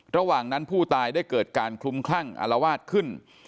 ระหว่างนั้นผู้ตายได้เกิดการคลุมคลั่งอารวาสขึ้น